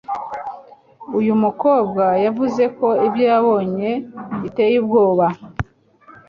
Uyu mu kobwa yavuzeko ibyo yabonye biteye ubwoba